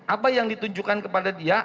apa yang ditunjukkan kepada dia